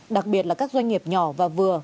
đặc biệt là các doanh nghiệp nhỏ và vừa